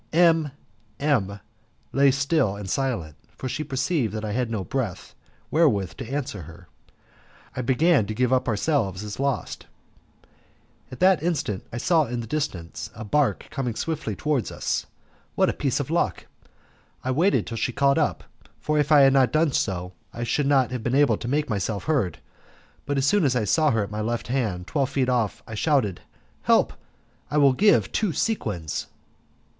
M M lay still and silent, for she perceived I had no breath wherewith to answer her. I began to give ourselves up as lost. At that instant I saw in the distance a barque coming swiftly towards us. What a piece of luck! I waited till she caught us up, for if I had not done so I should not have been able to make myself heard, but as soon as I saw her at my left hand, twelve feet off, I shouted, "Help! I will give two sequins!"